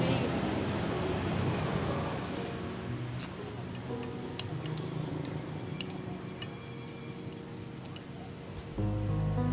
bverted dahulu walaupun tak panggil dark side